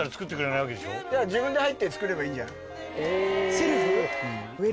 セルフ？